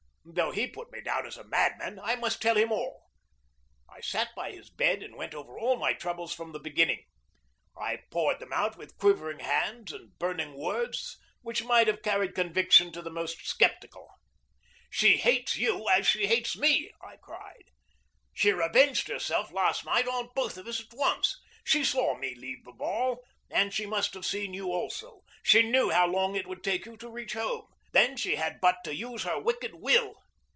Though he put me down as a madman, I must tell him all. I sat by his bed and went over all my troubles from the beginning. I poured them out with quivering hands and burning words which might have carried conviction to the most sceptical. "She hates you and she hates me!" I cried. "She revenged herself last night on both of us at once. She saw me leave the ball, and she must have seen you also. She knew how long it would take you to reach home. Then she had but to use her wicked will.